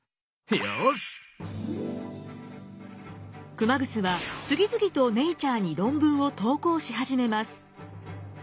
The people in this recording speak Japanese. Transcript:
熊楠は次々と「ネイチャー」に論文を投稿し始めます。